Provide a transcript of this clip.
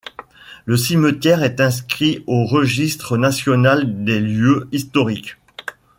Le cimetière est inscrit au Registre national des lieux historiques.